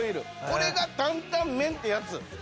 これが担々麺ってやつ。